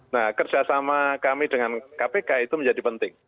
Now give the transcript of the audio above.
nah kerjasama kami dengan kpk itu menjadi penting